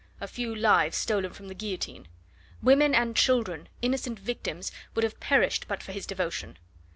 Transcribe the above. a few lives stolen from the guillotine." "Women and children innocent victims would have perished but for his devotion."